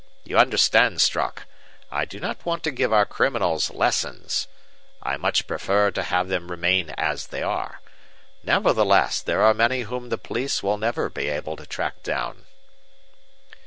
You understand, Strock, I do not want to give our criminals lessons; I much prefer to have them remain as they are. Nevertheless there are many whom the police will never be able to track down."